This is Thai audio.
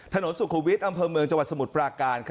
สุขุมวิทย์อำเภอเมืองจังหวัดสมุทรปราการ